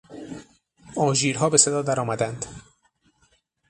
آژیرها به صدا درآمدند.